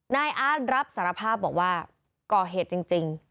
อาร์ตรับสารภาพบอกว่าก่อเหตุจริง